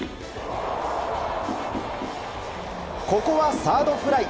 ここはサードフライ。